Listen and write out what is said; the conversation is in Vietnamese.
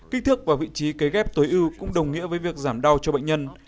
kích thước và vị trí cấy ghép tối ưu cũng đồng nghĩa với việc giảm đau cho bệnh nhân